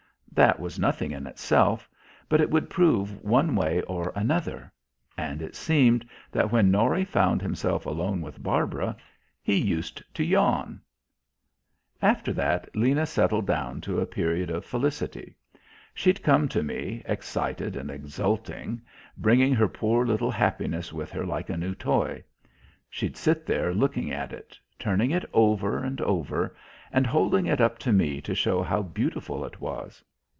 That was nothing in itself; but it would prove one way or another; and it seemed that when Norry found himself alone with Barbara, he used to yawn. After that Lena settled down to a period of felicity. She'd come to me, excited and exulting, bringing her poor little happiness with her like a new toy. She'd sit there looking at it, turning it over and over, and holding it up to me to show how beautiful it was.